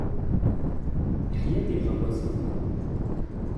Iheyya-d iɣawasen.